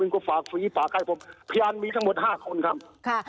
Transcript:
มึงก็ฝากฝี้ปากไกลผมพยานมีทั้งหมด๕คนครับ